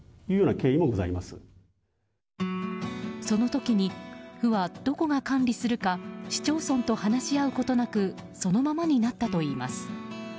その時に府はどこが管理するか市町村と話し合うことなくそのままになったといいます。